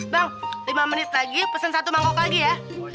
bang lima menit lagi pesen satu mangkok lagi ya